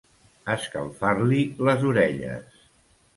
Escalfar-li les orelles.